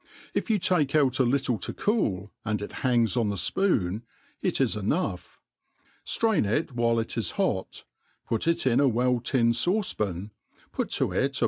If you take outi, little to cool, and it hangs on the fpoon, it is enough. Straim it while it is hot, put it in a well tinned fauce pan, put to it a